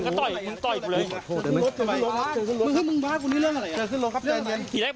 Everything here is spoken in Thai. ก็คือหลบให้มันก็พาป้อนไป